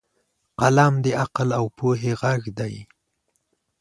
قلم د عقل او پوهې غږ دی